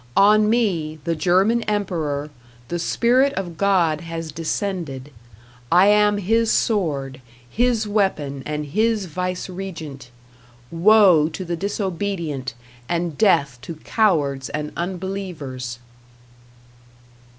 On me, the German emperor, the spirit of God has descended. I am His sword, His weapon and His viceregent. Woe to the disobedient and death to cowards and unbelievers.